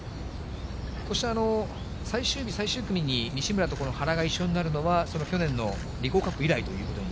そして最終日、最終組に西村とこの原が一緒になるのは、その去年のリコーカップ以来ということに。